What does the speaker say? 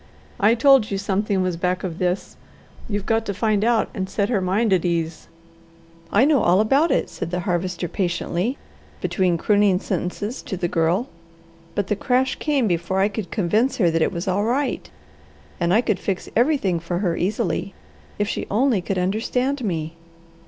I told you something was back of this. You've got to find out and set her mind at ease." "I know all about it," said the Harvester patiently between crooning sentences to the Girl. "But the crash came before I could convince her that it was all right and I could fix everything for her easily. If she only could understand me!"